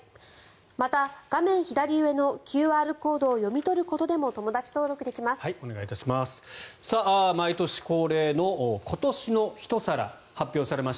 また、画面左上のＱＲコードを読み取ることでもお願いいたします。